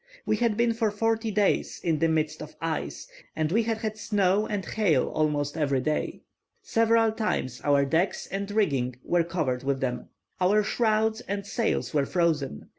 We had been for forty days in the midst of ice, and we had had snow and hail almost every day. Several times our decks and rigging were covered with them. Our shrouds and sails were frozen.